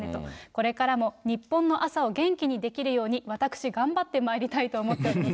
これからも日本の朝を元気にできるように私、頑張ってまいりたいと思っております。